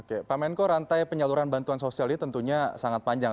oke pak menko rantai penyaluran bantuan sosial ini tentunya sangat panjang